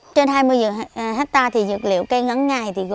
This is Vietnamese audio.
trên hai mươi hectare thì dược liệu cây ngắn ngài